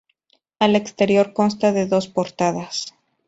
Al exterior consta de dos portadas.